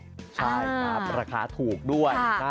ใช่ครับราคาถูกด้วยนะ